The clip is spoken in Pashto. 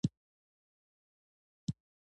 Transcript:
د وینې کمښت لپاره د اوسپنې درمل کارېږي.